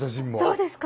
そうですか。